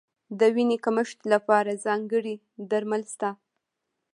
د وینې کمښت لپاره ځانګړي درمل شته.